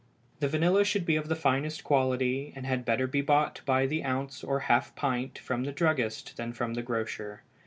The vanilla should be of the finest quality, and had better be bought by the ounce or half pint from the druggist than from the grocer.